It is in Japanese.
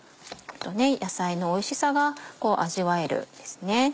野菜のおいしさが味わえるんですね。